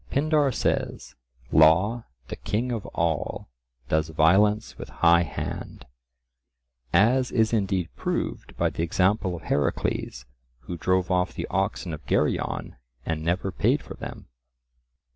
Pindar says, "Law, the king of all, does violence with high hand;" as is indeed proved by the example of Heracles, who drove off the oxen of Geryon and never paid for them.